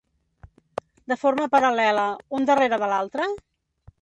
De forma paral·lela, un darrere de l’altra?